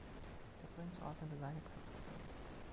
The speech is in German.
Der Prinz ordnete seine Köpfung an.